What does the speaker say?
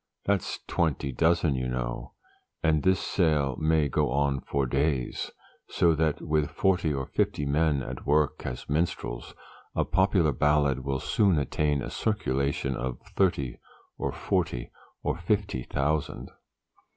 that's twenty dozen you know;' and this sale may go on for days, so that with forty or fifty men at work as minstrels, a popular ballad will soon attain a circulation of thirty or forty or fifty thousand.